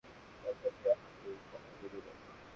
তার পাশেই হাতুড়িটা লাগিয়ে দিলেন।